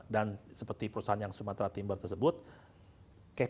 dan seperti perusahaan yang sumatra timber tersebut kpi nya